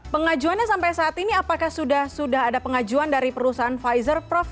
pengajuannya sampai saat ini apakah sudah ada pengajuan dari perusahaan pfizer prof